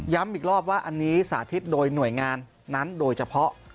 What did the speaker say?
อีกรอบว่าอันนี้สาธิตโดยหน่วยงานนั้นโดยเฉพาะ